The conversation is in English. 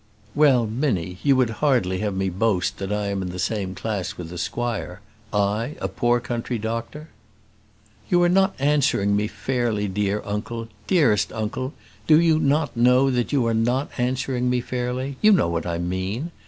"Well, Minnie, you would hardly have me boast that I am the same class with the squire I, a poor country doctor?" "You are not answering me fairly, dear uncle; dearest uncle, do you not know that you are not answering me fairly? You know what I mean.